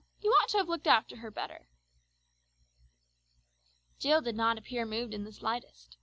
You ought to have looked after her better!" Jill did not appear moved in the slightest.